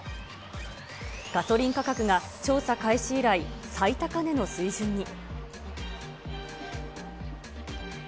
ガソリン価格が調査開始以来、最高値の水準に。